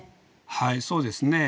はいそうですね。